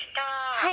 はい